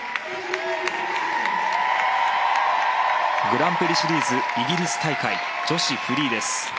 グランプリシリーズイギリス大会女子フリーです。